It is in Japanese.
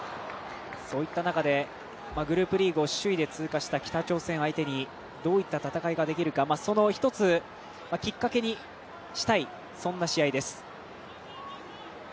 そういった中でグループリーグを首位で通過した北朝鮮相手にどういった戦いができるかそういった一つきっかけにしたいそんな試合です。